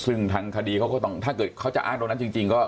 ซึ่งทางคดีเขาก็ต้องถ้าเกิดเขาจะอ้างตรงนั้นจริงก็